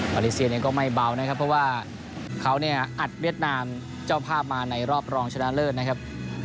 เลเซียเองก็ไม่เบานะครับเพราะว่าเขาเนี่ยอัดเวียดนามเจ้าภาพมาในรอบรองชนะเลิศนะครับ